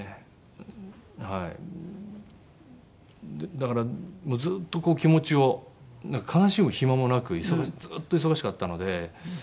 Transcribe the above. だからずっと気持ちを悲しむ暇もなくずっと忙しかったので。